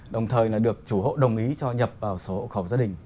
đồng thời là được chủ hộ đồng ý cho nhập vào sổ hộ khẩu gia đình